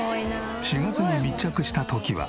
４月に密着した時は。